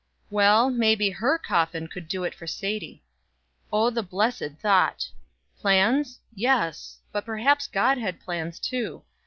Well, maybe her coffin could do it for Sadie. Oh the blessed thought! Plans? YES, but perhaps God had plans too.